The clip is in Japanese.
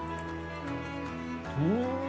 うん。